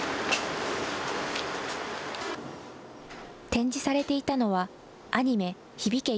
展示されていたのは、アニメ、響け！